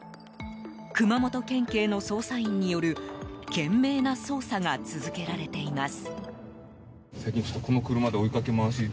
熊本県警の捜査員による懸命な捜査が続けられています。